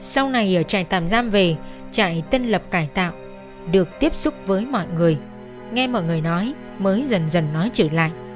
sau này ở trại tạm giam về trại tân lập cải tạo được tiếp xúc với mọi người nghe mọi người nói mới dần dần nói trở lại